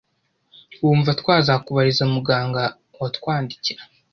wumva twazakubariza muganga watwandikira